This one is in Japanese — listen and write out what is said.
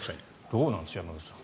どうなんでしょう山口さん。